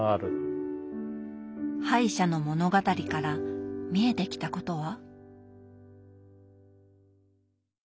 敗者の物語から見えてきたことは？